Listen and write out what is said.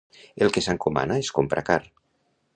El que s'encomana es compra car.